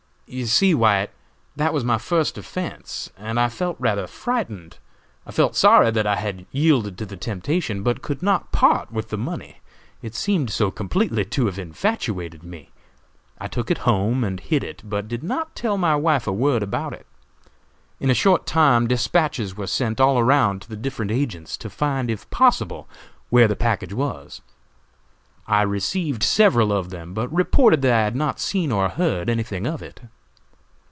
"You see, White, that was my first offense, and I felt rather frightened. I felt sorry that I had yielded to the temptation, but could not part with the money, it seemed so completely to have infatuated me. I took it home and hid it, but did not tell my wife a word about it. In a short time despatches were sent all around to the different agents to find, if possible, where the package was. I received several of them, but reported that I had not seen or heard anything of it.